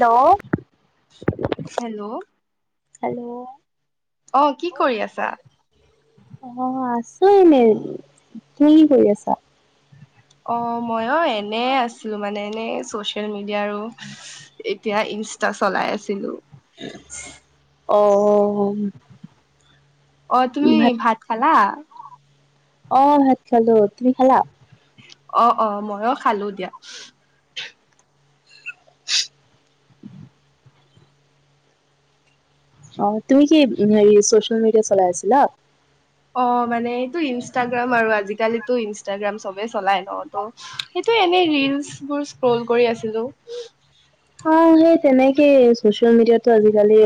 Hello hello hello. অহ কি কৰি আছা। নাই নাই কি কি কৰি আছা। অ মই অ এনে আছিলো মানে এনেই চচিয়েল মিডিয়াৰো। এতিয়া ইনষ্টা চলাই আছিলো। অহ। অ তুমি ভাত খালা। অহ ভাত খালো তুমি খেলালা। অ অ মইয়ো খালো দিয়া। [unintelligible] অ তুমি কি হে চচিয়েল মিডিয়া চলাই আছিলা অ মানে এইটো ইনষ্টাগ্ৰাম আৰু আজিকালিতো ইনষ্টাগ্ৰাম চব চলাই ন ত সেইটোৱে এনে ৰিলচ স্ক্ৰল কৰি আছিলো অ সেই তেনেকেই চচিয়েল মিডিয়াতটো আজিকালি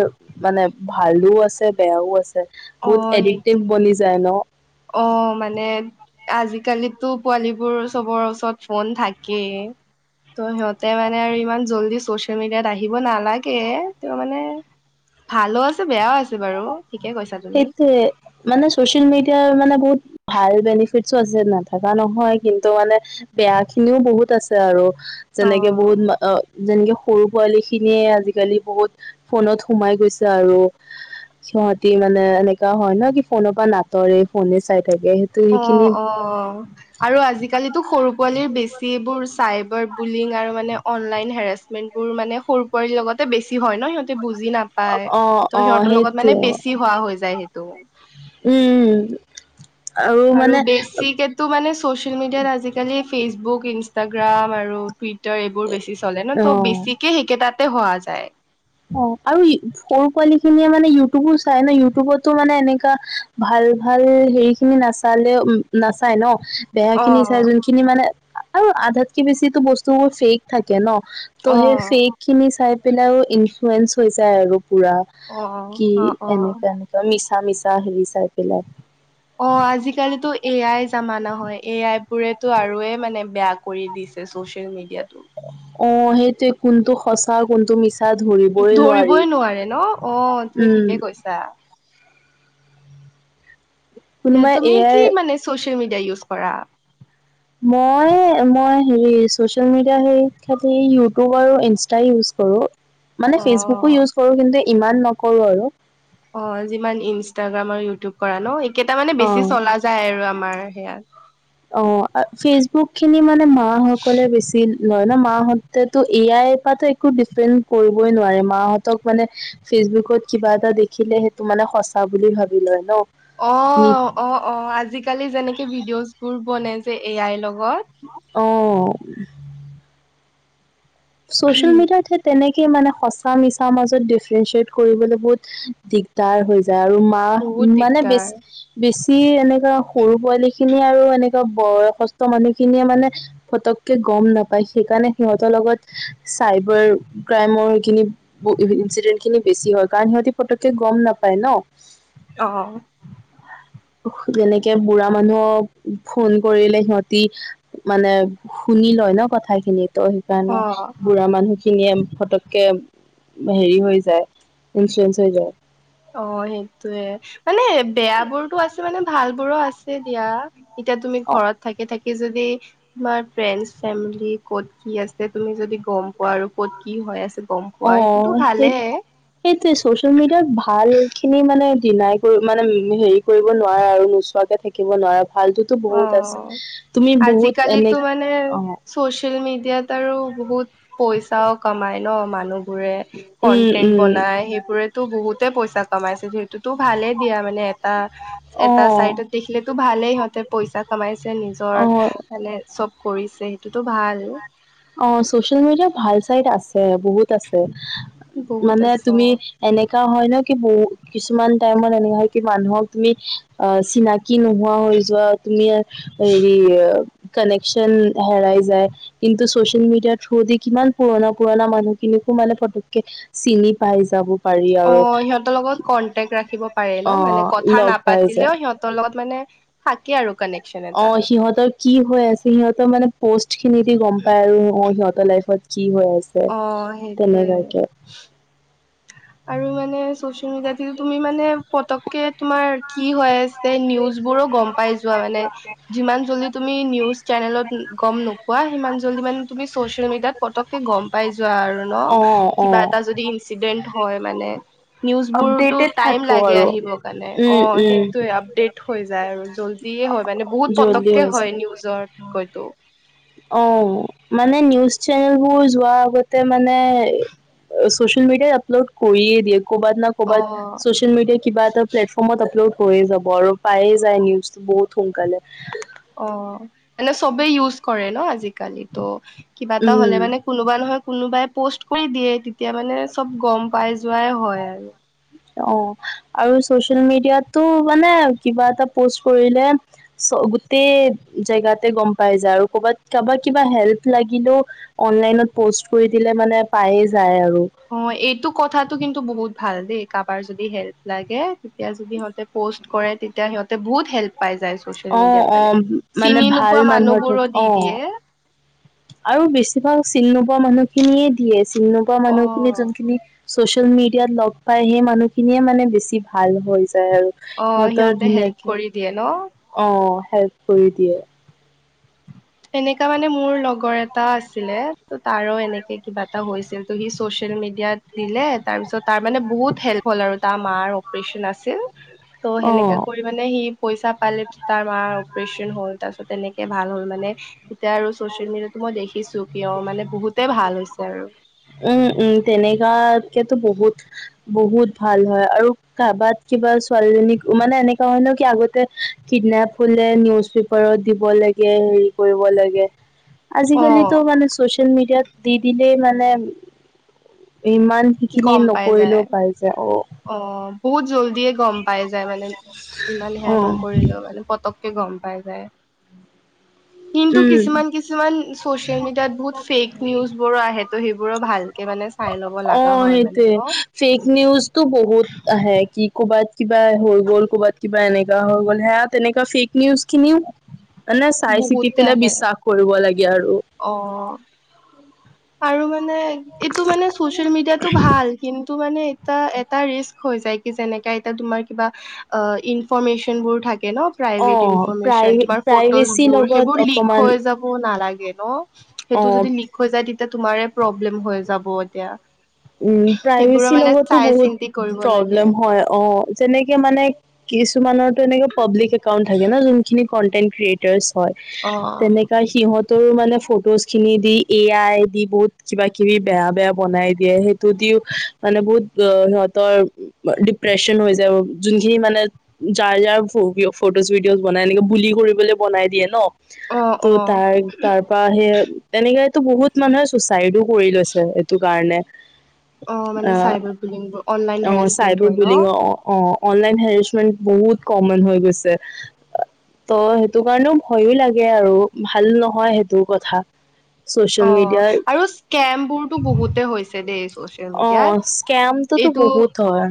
মানে ভালো আছে বেয়াও আছে [unintelligible] অ বহুত এডিক্টিভ সেইটোৱে চলি যায় ন অ মানে আজিকালি পোৱালীবোৰ চবৰ ওচৰত ফোন থাকেই ত' সিহঁতে মানে আৰু ইমান জল্দি চচিয়েল মিডিয়াত আহিব নালাগে তে মানে ভালো আছে বেয়াও আছে বাৰু ঠিকে কৈছা তুমি সেইটো মানে চচিয়েল মিডিয়া এতিয়া মানে বহুত ভাল বেনিফিটছো আছে নেথকা নহয় কিন্তু মানে বেয়া খিনিও বহুত [unintelligible] ত আছে আৰু অ যেনেকে বহুত যেনেকে সৰু পোৱালি খিনিয়ে আজিকালি বহুত ফোনত সোমাই গৈছে আৰু সিহতি মানে এনেকা হয় ন কি ফোনৰ পৰা নাটৰে ফোনে চাই [unintelligible] অ সেইখিনি অ আৰু আজিকালিতো সৰু পোৱালিৰ বেছি বোৰ চাইবাৰ বুলিং আৰু মানে অনলাইন হেৰাচমেন্ট বোৰ মানে সৰু পোৱালীৰ লগতে বেছি হয় ন সিহঁতি। [unintelligible] বুজি নাপাই অ ত' অ সিহঁতৰ লগত সেইটোৱে মানে বেছি হোৱা হৈ যায় সেইটো। উম আৰু। আৰু মানে বেছিকেটো মানে চচিয়েল মিডিয়াত আজিকালি ফেচবুক ইনষ্টাগ্ৰাম আৰু। জুপিটাৰ এইবোৰ বেছি চলে ন ত' অ বেছিকে সেইকেইটাতে হোৱা যায়। অ আৰু সৰু পোৱালী খিনিয়ে মানে ইউটিউবো চাই ন ইউটিউবতো মানে এনেকা ভাল। ভাল ভাল হেৰি খিনি নাচালেও উম নাচায় ন। বেয়া অ খিনি চাই যোনখিনি মানে আৰু আধাতকেও বেছি বস্তুবোৰ ফেক থাকে ন। ত অ সেই ফেক খিনি চাই পেলাইও ইনফ্লয়েঞ্চ হৈ যায় আৰু। [unintelligible] পুৰা অ কি অ অ অ এনেকুৱা এনেকুৱা মিছা মিছা হেৰি চাই। পেলাই অ আজি কালিতো এয়াই জামানা। হয় এই আই বোৰেটো আৰু য়ে মানে বেয়া কৰি দিছে চচিয়েল মিডিয়া টো। অ সেইটোৱেই কোনটো সঁচা। কোনটো মিছা ধৰিবই নোৱাৰি নোৱাৰে ন অ তুমি উম। ঠিকে কৈছা এয়া কোনোবাই তুমি এ কি আই মানে চ'চিয়েল মিডিয়া ইউজ কৰা। মই মই হেৰি চচিয়েল মিডিয়া সেই ক্ষেত্ৰত ইউটিউব আৰু ইনষ্টাগ্ৰাম ইউজ কৰোঁ। [unintelligible] মানে অ ফেচবুকো ইউজ কৰোঁ কিন্তু ইমান নকৰোঁ আৰু। অ যিমান ইনষ্টাগ্ৰাম আৰু ইউটিউব কৰা ন। কেইটা মানে বেছি অ'। চলা যায় আৰু আমাৰ সেয়া। অ ফেচবুক খিনি মানে মা সকলে বেছি লয় ন। [unintelligible] মা হঁতেতো এ আই পৰা একো ডিফেণ্ড কৰিবই নোৱাৰে মাহঁতক মানে ফেচবুকত। [unintelligible] কিবা এটা দেখিলে সেইটো মানে সঁচা বুলি ভাবি লয় ন। অ নি অ অ আজিকালি যেনেকে ভিডিঅ'জ বোৰ বনে যে এ আইৰ লগত। অ। ছ'চিয়েল মিডিয়া সেই তেনেকে। মানে সঁচা মিছা মাজত ডিফাৰেঞ্চিয়েট কৰিবলৈ বহুত দিগদাৰ হৈছে। [unintelligible] আৰু মা‌ বহুত উম মানে দিগদাৰ বেছি বেছি এনেকা। সৰু পোৱালি খিনিয়ে আৰু এনেকুৱা বয়সস্থ মানুহ খিনিয়ে মানে ফটককে গম নাপায়। সেইকাৰণে সিহঁতৰ লগত। চাইবাৰ ক্ৰাইমৰখিনি ইডেন্ট খিনি বেছি হয় কাৰণ সিহঁতি পটককে গম নাপায়। নাপায় ন। অহ। যেনেকে বুঢ়া মানুহক ফোন কৰিলে সিহঁতি মানে। শুনি লয় ন কথা খিনি ত' সেইকাৰণে অ বুঢ়া মানুহ খিনিয়ে পটককে। হেৰি হৈ যায় ইঞ্চৰেচ হৈ যায়। অ সেইটোয়ে মানে বেয়া বোৰতো আছে মানে ভাল বোৰো আছে দিয়া। এতিয়া তুমি অ ঘৰত থাকি থাকি থাকি যদি তোমাৰ ফ্ৰেণ্ড ফেমিলি ক'ত কি আছে তুমি যদি গম পোৱা আৰু ক'ত কি হয় আছে গম অ পোৱা সেইটোতো সেই ভালে সেইটোয়ে চচিয়েল মিডিয়াত ভাল। ভাল খিনি মানে ডিনাই কৰি মানে হেৰি কৰিব নোৱাৰা আৰু নোচোৱাকে থাকিব নোৱাৰা। ভালতোতো অ বহুত আছে তুমি আজি বহুত এনে কালিতো মানে অ চচিয়েল মিডিয়াত আৰু বহুত পইচাও কমাই ন মানুহবোৰে, উম কন্টেন্ট উম বনাই সেইবোৰেতো বহুতে পইচা পা কমাইছে সেইটো তো ভালে দিয়া মানে এটা অ এটা চাইডত দেখিলেত তো ভালে সিহঁতে পইচা কমাইছে নিজৰ অ মানে চব কৰিছে সেইটো অ চচিয়েল মিডিয়া ভাল চাইড আছে। বহুত আছে বহুত মানে আছে অ তুমি এনেকা হয় ন বহুত কিছুমান টাইমত এনেকা হয় কি মানুহক তুমি অ চিনাকি নোহোৱা হৈ যোৱা তুমি ই হেৰি কানেকচন হেৰাই যায়। কিন্তু চচিয়েল মিডিয়াৰ থ্ৰু দি কিমান পুৰণা পুৰণা মানুহখিনিকো মানে ফটককে চিনি পাই যাব। পাৰি অ আৰু সিহঁতৰ লগত কন্টেক ৰাখিব পাৰে ন অ মানে কথা লগ পাই নাপাতিলেও যায় সিহঁতৰ লগত মানে থাকে আৰু কানেকচন অ এটা। সিহঁতৰ কি হৈ আছে সিহঁতৰ মানে পষ্ট খিনি দি গম পায় আৰু সিহঁতৰ লাইফত কি হৈ আছে অ সেইটোয়ে তেনেকুৱাকে। আৰু মানে চচিয়েল মিডিয়াটো তুমি মানে পতককে তোমাৰ কি হৈ আছে নিউজ বোৰো গম পাই যোৱা মানে, যিমান জল্দি তুমি তুমি নিউজ চেনেলত গম নোপোৱা সিমান জল্দি ইমান তুমি চচিয়েল মিডিয়াত পতককে গম পাই যোৱা আৰু ন অ', কিবা অ', এটা যদি ইনচিডেণ্ট হয় মানে নিউজ বোৰতো আপডেটেড টাইম থাকো লাগে আৰু আহিব কাৰণে অ উম, উম। সেইটোৱে আপডেট হৈ যায় আৰু জল্দিয়ে হয় মানে বহুত জল্দি পতককে হৈ হয় নিউজতকৈতো। যায়। অ মানে নিউজ চেনেলবোৰ যোৱাৰ আগতে মানে চচিয়েল মিডিয়াই আপলোড কৰিয়ে দিয়ে ক'বাত না ক'বাত অ ছ'চিয়েল মিডিয়াই কিবা এটা প্লেটফৰ্মত আপলড হৈয়ে যাব আৰু পায়ে যায় নিউজটো বহুত সোনকালে অ মানে চবেই ইউজ কৰে ন আজিকালি ত কিবা এটা হ'লে উম মানে কোনোবা নহয় কোনোবাই পষ্ট কৰি দিয়ে, তেতিয়া মানে চব গম পাই যোৱাই হয় আৰু। অ আৰু চচিয়েল মিডিয়াটো মানে কিবা এটা পষ্ট কৰিলে গোটেই জেগাতে গম পাই যায়। আৰু ক'বাত কাবা কিবা হেল্প লাগিলো অনলাইন পষ্ট কৰি দিলে মানে পায়ে যায় আৰু। অ এইটো কথাটো কিন্তু বহুত ভাল দেই, কাবাৰ যদি হেল্প লাগে তেতিয়া যদি সিহঁতে প'ষ্ট কৰে, তেতিয়া সিহঁতে বহুত হেল্প পাই যায় চচিয়েল মিডিয়াত অ' মানে, অ' মানে চিনি ভাল নোপোৱা মানুহৰ মানুহবোৰো দি অ' দিয়ে। আৰু বেছিভাগ চিনি নোপোৱা মানুহখিনিয়ে দিয়ে চিনি নোপোৱা অ মানুহখিনি যোনখিনি চচিয়েল মিডিয়াত লগ পাই সেই মানুহ খিনিয়ে মানে বেছি ভাল হয় যায় আৰু অ সিহঁতৰ সিহঁতে হেল্প ধুনীয়াকে কৰি দিয়ে ন অ হেল্প কৰি দিয়ে। এনেকা মানে মোৰ লগৰ এটা আছিলে, ত তাৰো এনেকে কিবা এটা হৈছিল ত সি চচিয়েল মিডি য়াত দিলে তাৰ পিছত তাৰ মানে বহুত হেল্প হ'ল আৰু তাৰ মাৰ অপ্ৰেচন আছিল ত অ সেনেকে কৰি মানে সি পইচা পালে, তাৰ মাৰ অপ্ৰেচন হ'ল তাৰ পিছত তেনেকে ভাল হ'ল মানে তেতিয়া আৰু ছচিয়েল মিডিয়াটো মই দেখিছো কিয় মানে বহুতে ভাল হৈছে আৰু। উম উম তেনেক কা কেতো বহুত বহুত ভাল হয় আৰু কাবাত কিবা ছোৱালীজনীক মানে তেনে কাৰণেও কি আগতে কিডনেপ হলে নিউজ পেপাৰত দিব লাগে হেৰি কৰিব লাগে, অ আজিকালিতো মানে চচিয়েল মিডিয়াত দি দিলেই মানে ইমান সেইখিনি গম পাই যায় নকৰিলেও পাই যায় অ। অ বহুত জল্ডিয়ে গম পাই যায় মানে ইমান সেয়া অ নকৰিলেও মানে পতক কে গম পাই যায় কিন্তু উম কিছুমান কিছুমান চচিয়েল মিডিয়াত বহুত ফেক নিউজ বোৰো আহে তো' সেইবোৰো ভালকে মানে চাই ল'ব অ লগা হয় মানে সেইটোৱে ন ফেক নিউজটো বহুত আহে কি ক'বা কিবা হৈ গ'ল ক'বাত কিবা এনেকা হৈ গ'ল সেয়া তেনেকুৱা ফেক নিউজ খিনিও মানে চাই চিকি পেলাই বিশ্বাস কৰিব লাগে আৰু অহ আৰু মানে মানে এইটো মানে চচিয়েল মিডিয়াটো ভাল কিন্তু মানে এটা এটা ৰিস্ক হৈ যায় যেনেকা এতিয়া তোমাৰ কিবা আহ ইনফ্ৰমেচন বোৰ থাকে ন অ প্ৰাইভেট ইনফ্ৰমেচন প্ৰাইভে তোমাৰ ফটোচ প্ৰাইভেচিৰ বোৰ লগত সেইবোৰ লিক অকমান হৈ যাব নালাগে ন সেইটো অ যদি লিক হৈ যায় তেতিয়া তোমাৰে প্ৰব্লেম হৈ যাব এতিয়া উম সেইবোৰো প্ৰাইভেচি মানে লগতো চাই বহুত চিন্তি কৰিব লাগে প্ৰব্লেম হয় অহ যেনেকে মানে কিছুমানৰটো এনেকে পাব্লিক একাউন্ট থাকে ন' যোনখিনি কন্টেন্ট ক্ৰিয়েটাৰচ হয় অ তেনেকাই সিহঁত। তোৰ মানে ফটোখিনিচ দি এ আই দি বহুত কিবা- কিবি, বেয়া-বেয়া বনাই দিয়া সেইটো দিও মানে বহুত সিহতৰ ডিপ্ৰেচন হৈ যায় যোনখিনি মানে যাৰ যাৰ ফটোজ ভিডিঅজ বনাই এনেকে ভুলি কৰিবলৈ বনাই দিয়ে ন। অ ত' অ তাৰ তাৰ পৰা সেই তেনেক তো বহুত মানুহে চুচাইডো। কৰি লৈছে এইটো কাৰণে। অ মানে চাইবাৰ বুলিং বোৰ অনলাইন আহ অ হেৰেচমেন্ট চাইবোৰ হয় ন বুলি অ অ অ। অনলাইন হেৰেছমেন্ট বহুত কমন হৈ গৈছে ত' সেইটো কাৰণেও ভয়ো লাগে আৰু ভাল নহয় সেইটো কথা। চচিয়েল অহ, মিডিয়াৰ আৰু স্কেমবোৰতো বহুতে হৈছে দেই চচিয়েল অ মিডিয়াত স্কেমটোতো এইটো বহুত হয়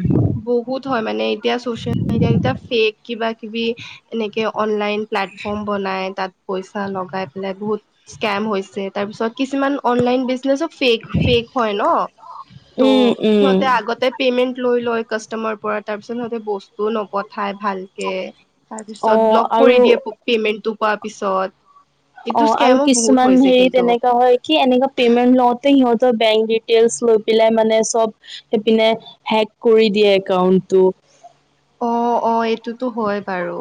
বহুত হয় মানে এতিয়া চচিয়েল মিডিয়া এতিয়া ফেক কিবাকিবি এনেকে অনলাইন প্লেটফৰ্ম বনাই তাত পইচা লগাই পেলাই বহুত স্কেম হৈছে। তাৰপিছত কিছুমান অনলাইন বিজনেছো। ফেক ফেক হয় ন ত উম উম সিহঁতে আগতে পেমেণ্ট। লৈ লয় কাষ্টমাৰ পৰা তাৰ পিছত সিহতে বস্তুও নপঠাই ভালকে। তাৰ অ পিছত ব্লক আৰু কৰি দিয়ে পেমেন্টটো পোৱাৰ পিছত। এইটো অহ, আৰু স্কেমো বহুত কিছুমান হৈছে হেৰি কিন্তু তেনেকা হয় কি এনেকা পেমেন্ট লওতে সিহঁতৰ বেংক ডিটেইলচ লৈ পেলাই মানে চব সেইপিনে হেক কৰি দিয়ে একাউন্ট তো। অ অ এইটোতো হয় বাৰু।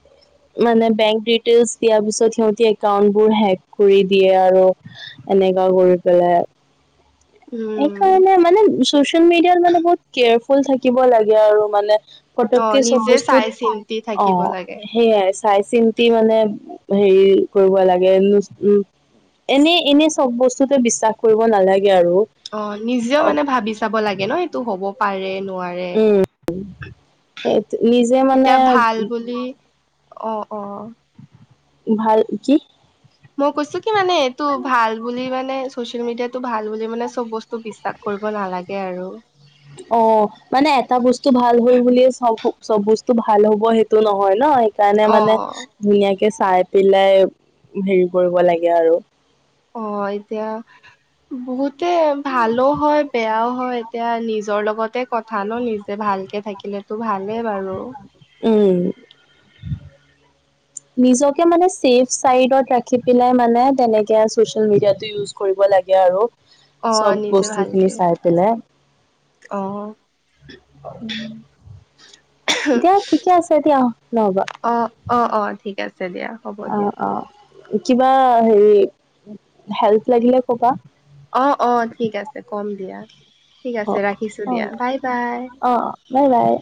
[inaudible] মানে বেংক ডিটেইলছ দিয়াৰ পিছত সিহঁতি একাউন্টবোৰ হেক কৰি দিয়ে আৰু। এনেকা কৰি পেলাই সেই উম কাৰণে মানে চচিয়েল মিডিয়াত মানে বহুত কেয়াৰফুল থাকিব লাগে আৰু মানে। অ পটককে চব নিজে বস্তুত চাই চিন্তি অ থাকিব লাগে সেইয়াই আছে। চাই চিন্তি মানে হেৰি কৰিব লাগে উম। এনেই-এনেই চব বস্তুতে বিশ্বাস কৰিব নালাগে আৰু। অহ নিজেও অ মানে ভাবি চাব লাগে ন' এইটো হব পাৰে নোৱাৰে উম সেইট- নিজে মানে এতিয়া ভাল বুলি। অ-অ। ভাল কি মই কৈছো কি মানে এইটো ভাল বুলি মানে। মানে চচিয়েল মিডিয়াটো ভাল বুলি মানে চব বস্তু বিশ্বাস কৰিব নালাগে আৰু। অ মানে এটা বস্তু ভাল হয় বুলিয়ে চব চব বস্তু ভাল হ'ব সেইটো নহয়। ন' সেইকাৰণে অ মানে ধুনীয়াকে চাই পেলাই হেৰি কৰিব লাগে আৰু অ এতিয়া বহুতে ভালো হয় বেয়াও হয়। এতিয়া নিজৰ লগতে কথা ন নিজে ভালকে থাকিলেতো ভালেই বাৰু। উম নিজকে মানে চেইভ ছাইড ৰাখি পেলাই মানে তেনেকে চচিয়েল মিডিয়াটো ইউজ কৰিব লাগে আৰু অ চব নিজে ভালকে বস্তুখিনি চাই পেলাই অ উম [unintelligible] [unintelligible] অহ-অহ-অহ ঠিক আছে। আছে দিয়া হ'ব অ দিয়া। অ কিবা হেৰি হেল্প লাগিলে কবা। অ-অ ঠিক আছে কম দিয়া। ঠিক অ আছে ৰাখিছো অ দিয়া বাই-বাই। অ বাই বাই